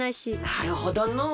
なるほどのう。